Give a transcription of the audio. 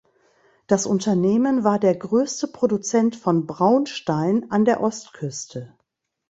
Das Unternehmen war der größte Produzent von Braunstein an der Ostküste.